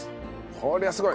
こりゃすごい！